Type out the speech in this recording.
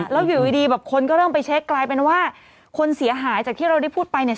แล้วอยู่ดีแบบคนก็เริ่มไปเช็คกลายเป็นว่าคนเสียหายจากที่เราได้พูดไปเนี่ย